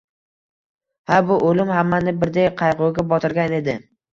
Ha, bu o’lim hammani birdek qayg’uga botirgan edi.